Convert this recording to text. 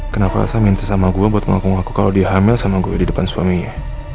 kenapa elsa minta sama gue buat ngaku ngaku kalau dia hamil sama gue di depan suaminya